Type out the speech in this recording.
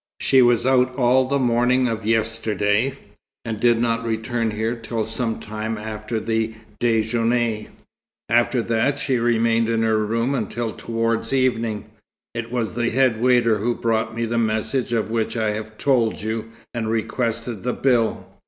She was out all the morning of yesterday, and did not return here till sometime after the déjeuner. After that, she remained in her room until towards evening. It was the head waiter who brought me the message of which I have told you, and requested the bill.